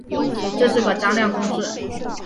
这是个张量公式。